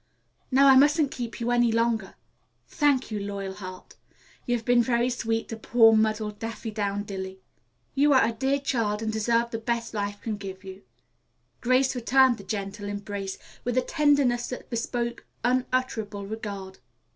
Now I mustn't keep you any longer. Thank you, Loyalheart. You've been very sweet to poor, muddled Daffydowndilly." "You are a dear child and deserve the best that life can give you." Grace returned the gentle embrace with a tenderness that bespoke unutterable regard.